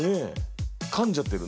かんじゃってる。